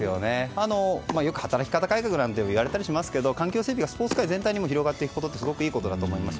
よく働き方改革なんて言われたりしますけど環境整備がスポーツ界全体に広がっていくこともすごくいいことだと思います。